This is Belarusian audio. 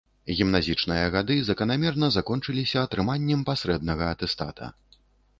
Гімназічныя гады заканамерна закончыліся атрыманнем пасрэднага атэстата.